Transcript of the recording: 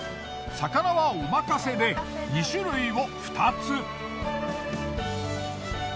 魚はおまかせで２種類を２つ。